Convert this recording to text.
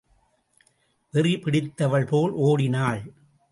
வெறி பிடித்தவள்போல் ஓடினாள்.